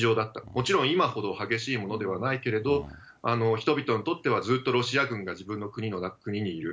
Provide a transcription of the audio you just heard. もちろん今ほど激しいものではないけれども、人々にとってはずっとロシア軍が自分の国にいる。